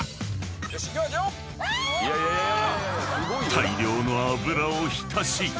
［大量の油を浸し］